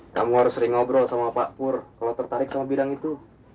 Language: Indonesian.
kamu harus sering ngobrol sama pak pur kalau tertarik sama bidang itu